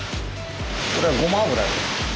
これはごま油です。